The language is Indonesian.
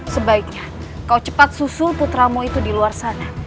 sebaiknya kau cepat susul putramu itu di luar sana